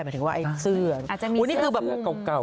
หมายถึงว่าไอ้เสื้ออาจจะมีเสื้อเก่า